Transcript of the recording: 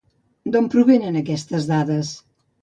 D'on provenen aquestes dades?